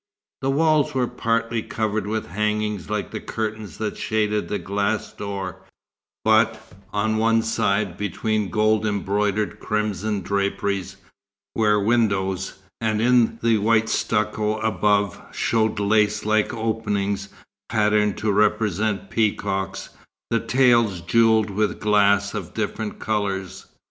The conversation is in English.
The walls were partly covered with hangings like the curtains that shaded the glass door; but, on one side, between gold embroidered crimson draperies, were windows, and in the white stucco above, showed lace like openings, patterned to represent peacocks, the tails jewelled with glass of different colours.